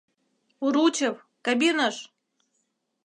Уручев, кабиныш!